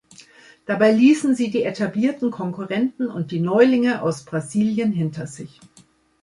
Dabei ließen sie die etablierten Konkurrenten und die Neulinge aus Brasilien hinter sich.